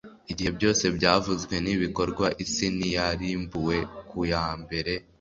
Igihe byose byavuzwe nibikorwa isi ntiyarimbuwe ku ya mbere